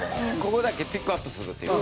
ここだけピックアップするっていう。